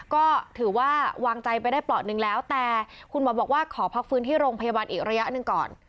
ก็ถือว่าวางใจไปได้เปราะหนึ่งแล้วแต่คุณหมอบอกว่าขอพักฟื้นที่โรงพยาบาลอีกระยะหนึ่งก่อน